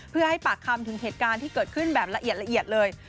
เพื่อให้ปากคำถึงเหตุการณ์ที่เกิดขึ้นแบบละเอียดละเอียดเลย